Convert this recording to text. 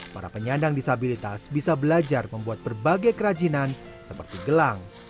para penyandang disabilitas bisa belajar membuat berbagai kerajinan seperti gelang